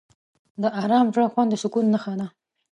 د آرام زړه خوند د سکون نښه ده.